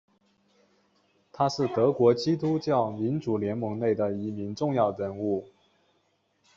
他是德国基督教民主联盟内的一名重要人物。